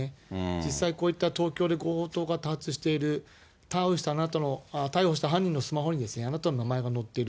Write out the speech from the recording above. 実際、こういった東京で強盗が多発している、逮捕した犯人のスマホにあなたの名前が載っている。